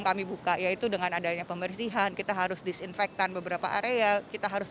kami buka yaitu dengan adanya pembersihan kita harus disinfektan beberapa area kita harus